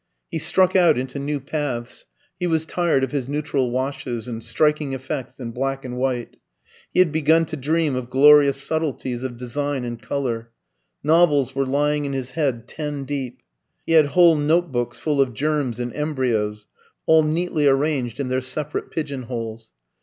He struck out into new paths; he was tired of his neutral washes, and striking effects in black and white. He had begun to dream of glorious subtilties of design and colour. Novels were lying in his head ten deep. He had whole note books full of germs and embryos, all neatly arranged in their separate pigeon holes.